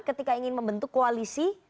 ketika ingin membentuk koalisi